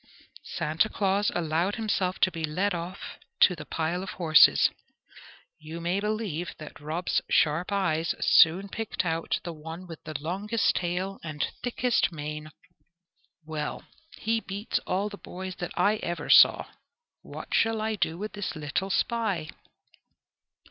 Santa Claus allowed himself to be led off to the pile of horses. You may believe that Rob's sharp eyes soon picked out the one with the longest tail and thickest mane. "Well, he beats all the boys that I ever saw! What shall I do with the little spy?"